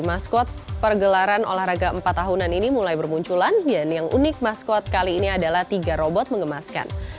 maskot pergelaran olahraga empat tahunan ini mulai bermunculan dan yang unik maskot kali ini adalah tiga robot mengemaskan